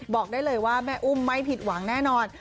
บอกได้เลยว่าแม่อุ้มไม่ผิดหวังแน่นอน